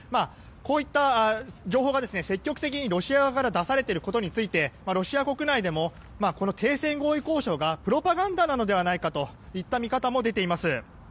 こういった情報が積極的にロシア側から出されていることについてロシア国内でも停戦合意交渉がプロパガンダなのではないかといった見方も出ています。